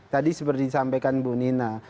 tadi seperti disampaikan bu nina